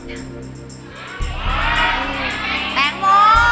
แปลงโม้